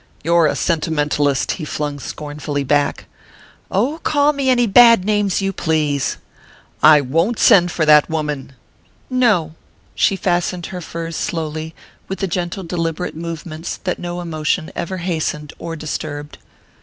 "You're a sentimentalist!" he flung scornfully back. "Oh, call me any bad names you please!" "I won't send for that woman!" "No." She fastened her furs slowly, with the gentle deliberate movements that no emotion ever hastened or disturbed.